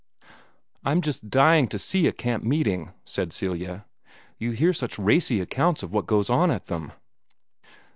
"I'm just dying to see a camp meeting!" said Celia. "You hear such racy accounts of what goes on at them."